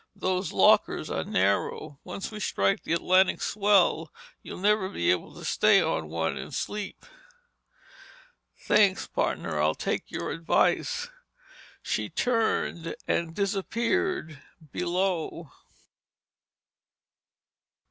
Those lockers are narrow. Once we strike the Atlantic swell you'll never be able to stay on one and sleep!" "Thanks, partner, I'll take your advice." She turned and disappeared below.